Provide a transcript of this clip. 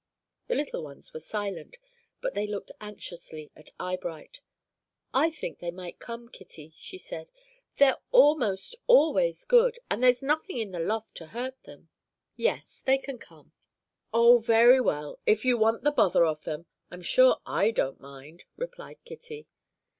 The little ones were silent, but they looked anxiously at Eyebright. "I think they might come, Kitty," she said. "They're almost always good, and there's nothing in the loft to hurt them. Yes; they can come." "Oh, very well, if you want the bother of them. I'm sure I don't mind," replied Kitty.